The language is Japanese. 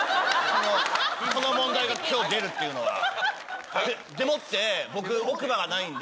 この問題がきょう出るっていうのは。でもって、僕、奥歯がないんで。